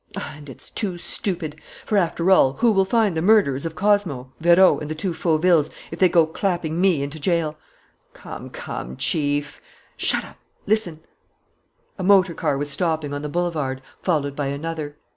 And it's too stupid! For, after all, who will find the murderers of Cosmo, Vérot, and the two Fauvilles, if they go clapping me into jail?" "Come, come, Chief " "Shut up! ... Listen!" A motor car was stopping on the boulevard, followed by another.